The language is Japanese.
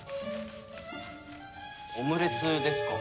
オムレツですか？